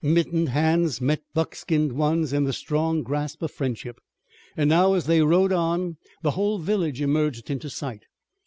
Mittened hands met buckskinned ones in the strong grasp of friendship, and now, as they rode on, the whole village emerged into sight.